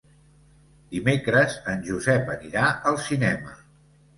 Dimecres en Josep anirà al cinema.